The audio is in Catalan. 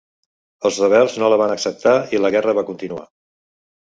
Els rebels no la van acceptar i la guerra va continuar.